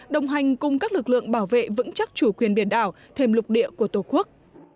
đồng hành cùng các lực lượng bảo vệ vững chắc chủ quyền biển đảo thêm lục địa của tổ quốc